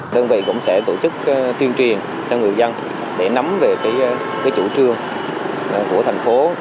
đơn vị cũng sẽ tổ chức tuyên truyền cho người dân để nắm về chủ trương của thành phố